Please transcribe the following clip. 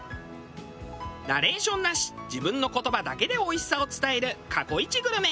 ナレーションなし自分の言葉だけでおいしさを伝える過去イチグルメ。